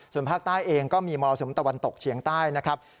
ส่วนภาคใต้เองก็มีมรสุมตะวันตกเฉียงใต้นะครับ